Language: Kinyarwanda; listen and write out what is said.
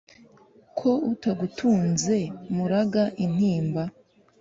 ko utagutunze muraga intimba ?